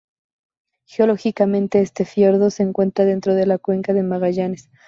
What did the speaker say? Geológicamente, este fiordo se encuentra dentro de la Cuenca de Magallanes.